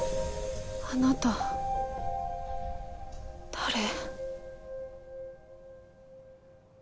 あなた誰？